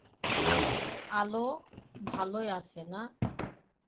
আলো ভালোই আছে, না?